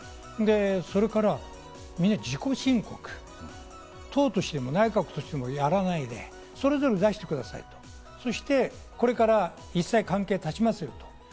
それからみんな自己申告、党としても内閣としてもやらないで、それぞれ出してくださいと、これから一切関係を断ちますよと。